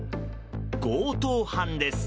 強盗犯です。